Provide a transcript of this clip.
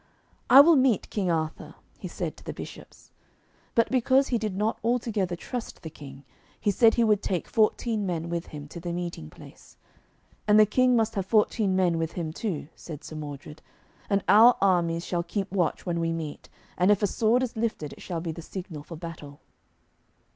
'I will meet King Arthur,' he said to the bishops. But because he did not altogether trust the King he said he would take fourteen men with him to the meeting place, 'and the King must have fourteen men with him too,' said Sir Modred. 'And our armies shall keep watch when we meet, and if a sword is lifted it shall be the signal for battle.'